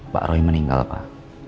pak roy meninggal pak